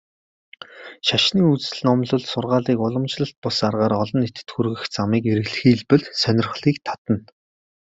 Шашны үзэл номлол, сургаалыг уламжлалт бус аргаар олон нийтэд хүргэх замыг эрэлхийлбэл сонирхлыг татна.